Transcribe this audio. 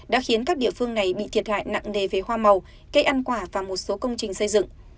đã khiến các địa phương này bị thiệt hại nặng nề về hoa màu cây ăn quả và một số công trình xây dựng